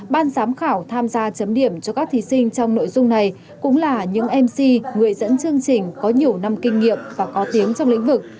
ban giám khảo tham gia chấm điểm cho các thí sinh trong nội dung này cũng là những mc người dẫn chương trình có nhiều năm kinh nghiệm và có tiếng trong lĩnh vực